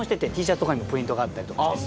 Ｔシャツとかにもプリントがあったりとかして。